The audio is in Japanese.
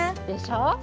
でしょ。